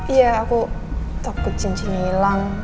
iya aku takut cincinnya hilang